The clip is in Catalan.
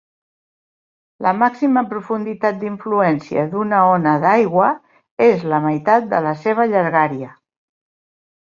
La màxima profunditat d'influència d'una ona d'aigua és la meitat de la seva llargària.